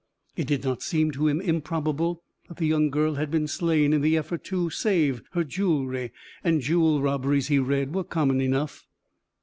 It did not seem to him improbable that the young girl had been slain in the effort to save her jewelry; and jewel robberies, he read, were common enough.